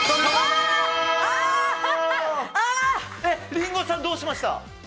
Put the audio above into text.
リンゴさん、どうしました？